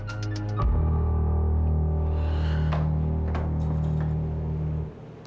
selamat pagi pak